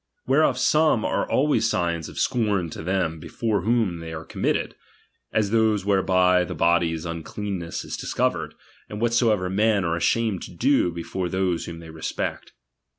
Whereof some are always signs of scorn to them before whom they are committed ; as those whereby the body's uiicleauness is dis covered, and whatsoever men are ashamed to do before those whom they respect.